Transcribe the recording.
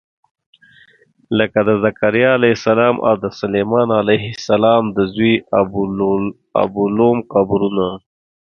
لکه د ذکریا علیه السلام او د سلیمان علیه السلام د زوی ابولوم قبرونه.